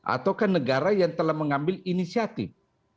atau kan negara yang telah mengambil inisiatif